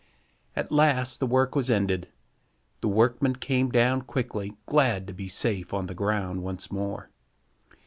At last the work was ended. The workmen came down quickly, glad to be safe on the ground once more.